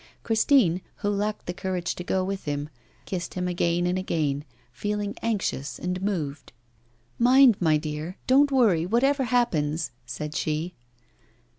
Christine, who lacked the courage to go with him, kissed him again and again, feeling anxious and moved. 'Mind, my dear, don't worry, whatever happens,' said she.